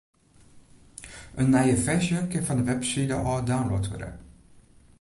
In nije ferzje kin fan de webside ôf download wurde.